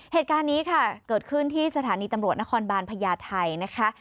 เหตุการณ์นี้ค่ะเกิดขึ้นที่สถานีตำรวจนครบานพญาไทยนะคะ